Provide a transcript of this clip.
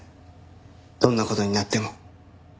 どんな事になっても。